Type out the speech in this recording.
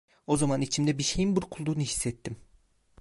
O zaman içimde bir şeyin burkulduğunu hissettim.